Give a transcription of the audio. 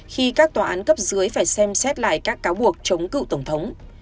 khi các tòa án cấp dưới phải xem xét lại các cáo buộc chống cựu tổng thống